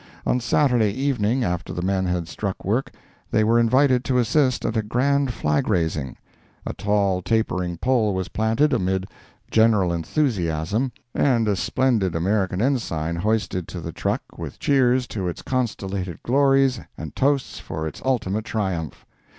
On Saturday evening, after the men had struck work, they were invited to assist at a grand flag raising. A tall tapering pole was planted, amid general enthusiasm, and a splendid American ensign hoisted to the truck with cheers to its constellated glories and toasts for its ultimate triumph.